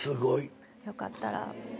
よかったら。